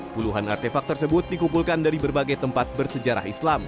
puluhan artefak tersebut dikumpulkan dari berbagai tempat bersejarah islam